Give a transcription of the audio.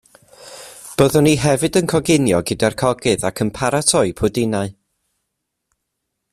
Byddwn i hefyd yn coginio gyda'r cogydd ac yn paratoi pwdinau